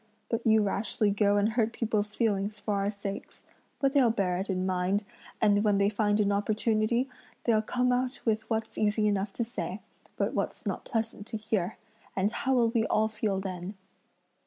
But you rashly go and hurt people's feelings for our sakes; but they'll bear it in mind, and when they find an opportunity, they'll come out with what's easy enough to say, but what's not pleasant to hear, and how will we all feel then?"